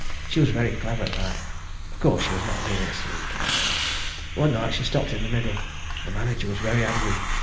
She was very clever at that. Of course she was not really asleep. One night she stopped in the middle. The manager was very angry.